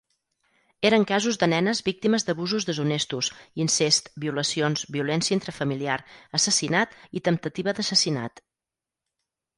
Eren casos de nenes víctimes d'abusos deshonestos, incest, violacions, violència intrafamiliar, assassinat i temptativa d'assassinat.